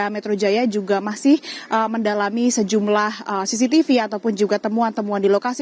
metro jaya juga masih mendalami sejumlah cctv ataupun juga temuan temuan di lokasi